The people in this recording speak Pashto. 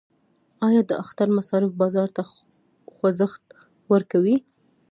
آیا د اختر مصارف بازار ته خوځښت ورکوي؟